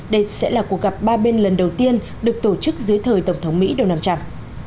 đây sẽ là cuộc gặp ba bên lần đầu tiên được tổ chức dưới thời tổng thống mỹ đông nam trạm